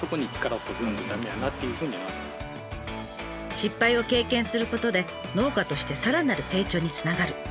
失敗を経験することで農家としてさらなる成長につながる。